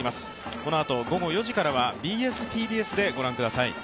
このあと午後４時からはＢＳ−ＴＢＳでご覧ください。